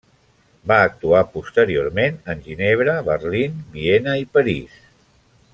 Va actuar posteriorment en Ginebra, Berlín, Viena i París.